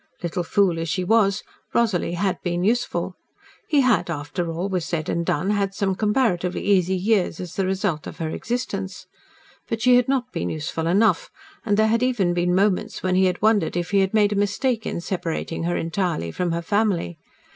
Little fool as she was, Rosalie had been useful. He had, after all was said and done, had some comparatively easy years as the result of her existence. But she had not been useful enough, and there had even been moments when he had wondered if he had made a mistake in separating her entirely from her family.